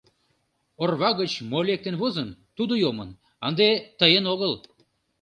Орва гыч мо лектын возын — тудо йомын, ынде тыйын огыл.